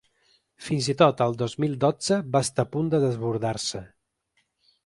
Fins i tot, el dos mil dotze, va estar a punt de desbordar-se.